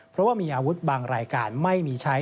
เพราะว่ามีอาวุธบางรายการไม่มีใช้